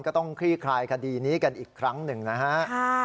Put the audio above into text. คลี่คลายคดีนี้กันอีกครั้งหนึ่งนะฮะ